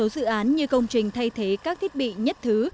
sáu dự án như công trình thay thế các thiết bị nhất thứ